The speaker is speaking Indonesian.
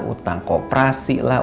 utang koperasi lah